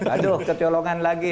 aduh kecolongan lagi